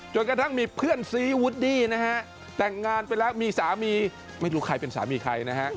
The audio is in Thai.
กระทั่งมีเพื่อนซีวูดดี้นะฮะแต่งงานไปแล้วมีสามีไม่รู้ใครเป็นสามีใครนะฮะ